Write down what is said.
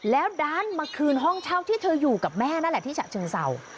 แล้วดันมาคืนห้องเช่าที่เธออยู่กับแม่นั่นแหละที่ฉะเชิงเศร้า